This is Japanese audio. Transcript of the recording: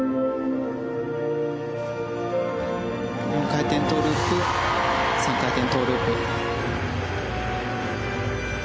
４回転トウループ３回転トウループ。